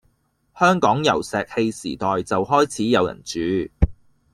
香港由石器時代就開始有人住